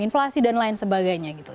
inflasi dan lain sebagainya gitu